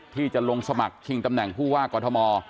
ที่จะลงสมัครชิงตำแหน่งผู้ว่ากอทม